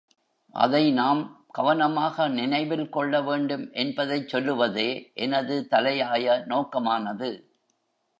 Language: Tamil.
அதை நாம் கவனமாக நினைவில் கொள்ளவேண்டும் என்பதைச் சொல்லுவதே எனது தலையாய நோக்கமானது.